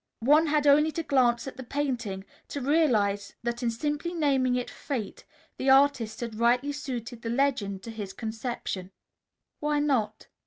One had only to glance at the painting to realize that in simply naming it "Fate" the artist had rightly suited the legend to his conception. "Why not?"